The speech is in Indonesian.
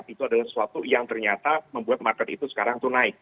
itu adalah sesuatu yang ternyata membuat market itu sekarang itu naik